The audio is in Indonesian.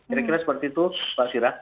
kira kira seperti itu pak sira